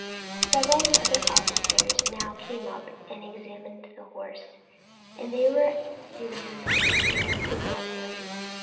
Several of the other officers now came up and examined the horse, and they were unanimous in their approval of him.